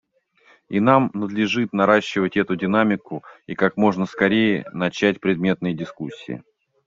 И нам надлежит наращивать эту динамику и как можно скорее начать предметные дискуссии.